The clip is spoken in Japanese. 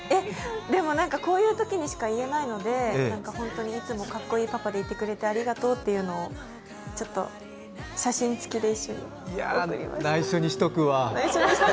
でも、こういうときにしか言えないので、いつもかっこいいパパでいてくれてありがとうっていうのをちょっと写真つきで一緒に贈りました。